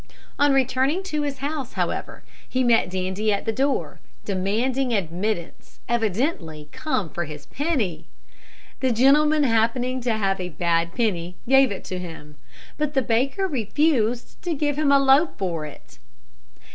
On returning to his house, however, he met Dandie at the door, demanding admittance, evidently come for his penny. The gentleman, happening to have a bad penny, gave it him; but the baker refused to give him a loaf for it.